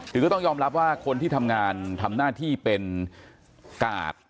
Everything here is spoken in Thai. คือก็ต้องยอมรับว่าคนที่ทำงานทำหน้าที่เป็นกาด